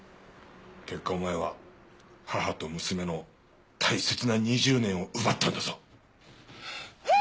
結果お前は母と娘の大切な２０年を奪ったんだぞ。